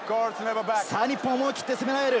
日本、思い切って攻められる。